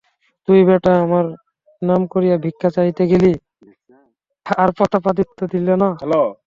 তুই বেটা আমার নাম করিয়া ভিক্ষা চাহিতে গেলি, আর প্রতাপাদিত্য দিল না।